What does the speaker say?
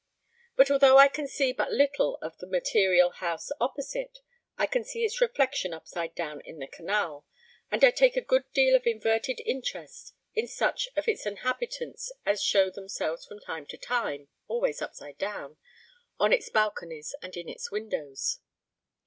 But, although I can see but little of the material house opposite, I can see its reflection upside down in the canal, and I take a good deal of inverted interest in such of its inhabitants as show themselves from time to time (always upside down) on its balconies and at its windows.